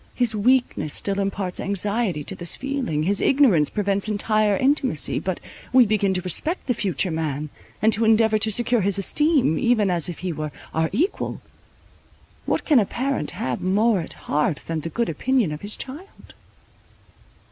His weakness still imparts anxiety to this feeling, his ignorance prevents entire intimacy; but we begin to respect the future man, and to endeavour to secure his esteem, even as if he were our equal. What can a parent have more at heart than the good opinion of his child?